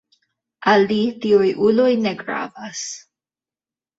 Al li tiuj uloj ne gravas.